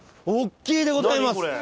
おっきいでございます。